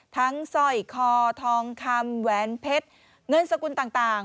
สร้อยคอทองคำแหวนเพชรเงินสกุลต่าง